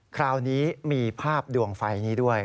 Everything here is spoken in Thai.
คราวนี้มีภาพดวงไฟนี้ด้วย